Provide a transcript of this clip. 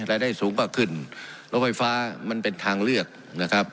รายได้สูงก็ขึ้นรถไฟฟ้ามันเป็นทางเลือกนะครับ